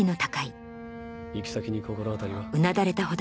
行き先に心当たりは？